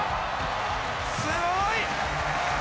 すごい！